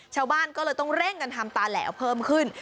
ชาวบ้านก็เลยต้องเร่งกันทำตาแหลวเพิ่มขึ้น